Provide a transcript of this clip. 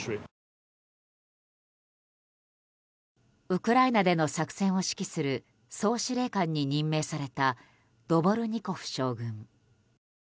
ウクライナでの作戦を指揮する総司令官に任命されたドボルニコフ将軍。